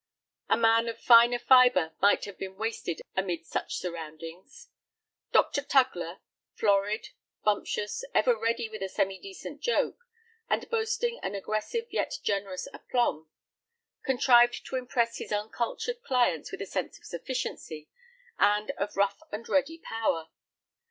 A man of finer fibre might have been wasted amid such surroundings. Dr. Tugler, florid, bumptious, ever ready with a semi decent joke, and boasting an aggressive yet generous aplomb, contrived to impress his uncultured clients with a sense of sufficiency and of rough and ready power.